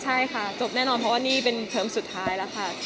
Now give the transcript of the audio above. ใช่ค่ะจบแน่นอนเพราะว่านี่เป็นเทอมสุดท้ายแล้วค่ะ